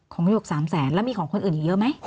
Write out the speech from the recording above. ของหยก๓แสนแล้วมีของคนอื่นอยู่เยอะไหม